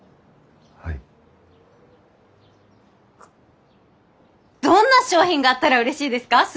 こどんな商品があったら嬉しいですか？